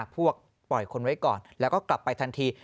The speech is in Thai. ปล่อยคนไว้ก่อนแล้วก็กลับไปทันที